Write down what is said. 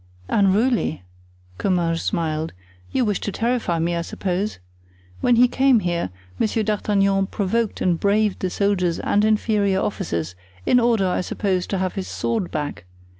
"Unruly," Comminges smiled; "you wish to terrify me, I suppose. When he came here, Monsieur D'Artagnan provoked and braved the soldiers and inferior officers, in order, I suppose, to have his sword back.